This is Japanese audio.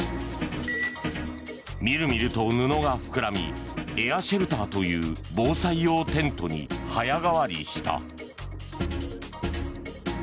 見る見ると布が膨らみエアシェルターという防災用テントに早変わりした。